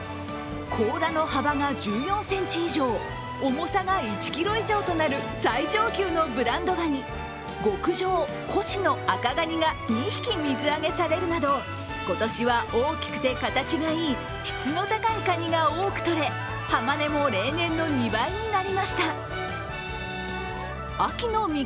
甲羅の幅が１４ｃｍ以上、重さが１ｋｇ以上となる最上級のブランドガニ、極上・高志の紅ガニが２匹水揚げされるなど今年は大きくて形がいい、質の高いカニが多く取れ、浜値も例年の２倍となりました。